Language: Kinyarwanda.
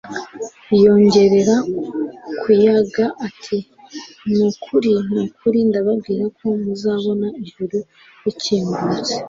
yongera kuyaga ati: "Ni ukuri, ni ukuri ndababwira ko muzabona ijuru rikingutse